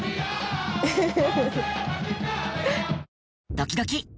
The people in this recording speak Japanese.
ドキドキ。